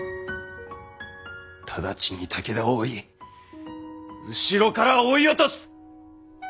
直ちに武田を追い後ろから追い落とす！